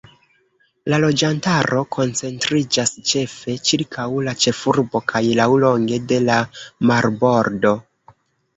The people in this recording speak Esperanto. La loĝantaro koncentriĝas ĉefe ĉirkaŭ la ĉefurbo kaj laŭlonge de la marbordo.